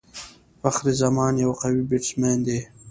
فخر زمان یو قوي بيټسمېن دئ.